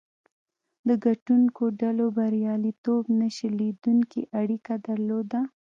د ګټونکو ډلو بریالیتوب نه شلېدونکې اړیکه درلوده.